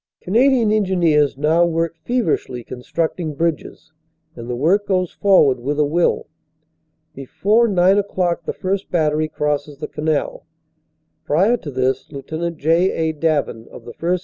Canadian Engineers now work feverishly constructing bridges, and the work goes forward with a will. Before nine o clock the first battery crosses the canal. Prior to this, Lt. J. A. Davin, of the 1st.